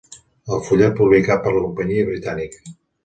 El fullet publicat per la companyia britànica.